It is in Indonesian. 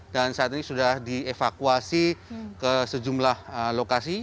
dan saat ini sudah dievakuasi ke sejumlah lokasi